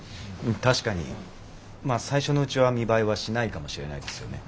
確かにまあ最初のうちは見栄えはしないかもしれないですよね。